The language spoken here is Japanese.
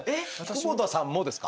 久保田さんもですか？